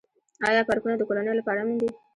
آیا پارکونه د کورنیو لپاره امن دي؟